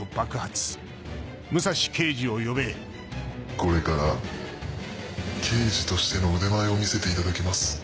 これから刑事としての腕前を見せていただきます。